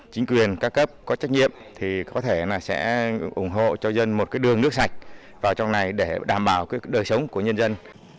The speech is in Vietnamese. chính quyền ca cấp có trách nhiệm thì có thể là sẽ ủng hộ cho dân một cái đường nước sạch vào trong này để đảm bảo cái đời sống của nhân dân